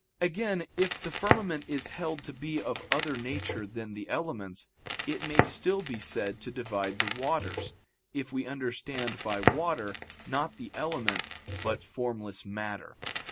Again, if the firmament is held to be of other nature than the elements, it may still be said to divide the waters, if we understand by water not the element but formless matter.